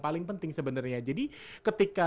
paling penting sebenarnya jadi ketika